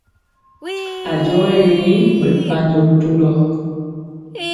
A jɔ ye yi ɓɛ mpanjɔ bitundɔ.